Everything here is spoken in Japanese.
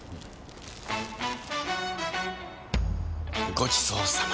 ごちそうさま！